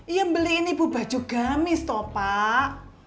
ia beliin ibu baju gamis toh pak